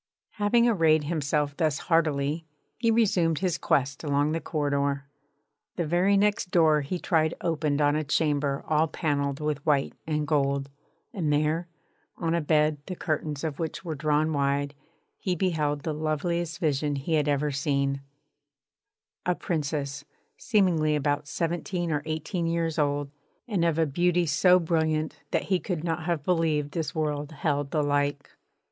Having arrayed himself thus hardily, he resumed his quest along the corridor. The very next door he tried opened on a chamber all panelled with white and gold; and there, on a bed the curtains of which were drawn wide, he beheld the loveliest vision he had ever seen: a Princess, seemingly about seventeen or eighteen years old, and of a beauty so brilliant that he could not have believed this world held the like.